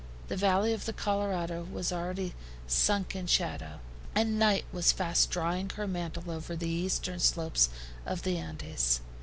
The valley of the Colorado was already sunk in shadow, and night was fast drawing her mantle over the eastern slopes of the Andes.